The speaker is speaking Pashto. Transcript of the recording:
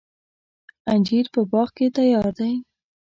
انجیر په باغ کې تیار دی.